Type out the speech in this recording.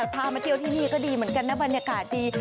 พามาเที่ยวที่นี่ก็ดีเหมือนกันนะบรรยากาศดี